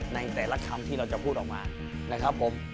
ในแต่ละคำที่เราจะพูดออกมานะครับผม